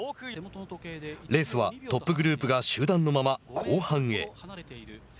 レースはトップグループが集団のまま後半へ。